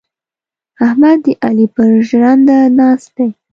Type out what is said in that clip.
احمد د علي پر ژرنده ناست دی.